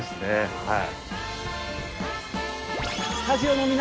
はい。